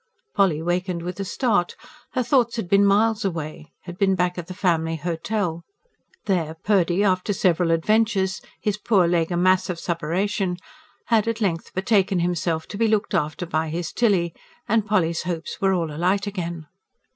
Polly wakened with a start. Her thoughts had been miles away had been back at the "Family Hotel". There Purdy, after several adventures, his poor leg a mass of supuration, had at length betaken himself, to be looked after by his Tilly; and Polly's hopes were all alight again.